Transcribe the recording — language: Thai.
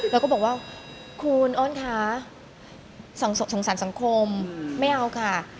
แล้วก็บอกว่าคุณอ้อนคะสงสารสังคมไม่เอาค่ะ